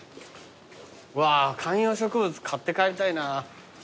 うわー観葉植物買って帰りたいな。